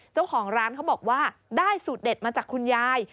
เจ้าของร้านเขาบอกว่าได้สูตรเด็ดมาจากคุณยาย